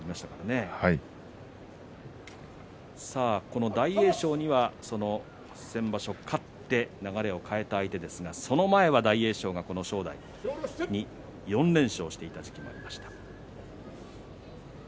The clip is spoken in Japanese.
この大栄翔には、先場所勝って流れを変えた相手ですがその前は大栄翔がこの正代に４連勝している時期もありました。